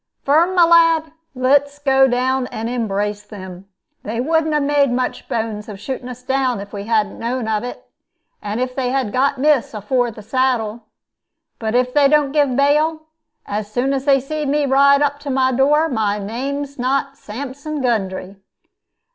Firm, my lad, let us go and embrace them. They wouldn't 'a made much bones of shooting us down if we hadn't known of it, and if they had got miss afore the saddle. But if they don't give bail, as soon as they see me ride up to my door, my name's not Sampson Gundry.